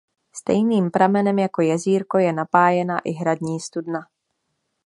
Stejným pramenem jako jezírko je napájena i hradní studna.